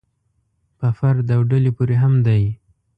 په فرد او ډلې پورې هم دی.